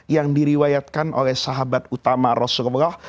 yang diriwayatkan oleh sahabat utama rasulullah